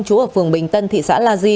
chú ở phường bình tân thị xã la di